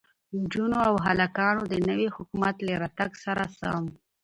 نجونو او هلکانو د نوي حکومت له راتگ سره سم